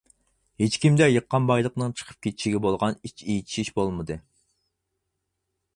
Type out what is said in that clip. ھېچكىمدە يىغقان بايلىقنىڭ چىقىپ كېتىشىگە بولغان ئىچ ئېچىشىش بولمىدى.